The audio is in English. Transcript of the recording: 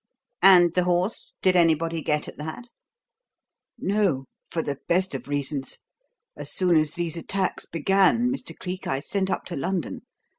"And the horse? Did anybody get at that?" "No; for the best of reasons. As soon as these attacks began, Mr. Cleek, I sent up to London.